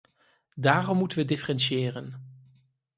Daarom moeten we differentiëren.